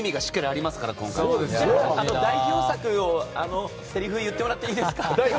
あと、代表作のせりふを言ってもらっていいですか？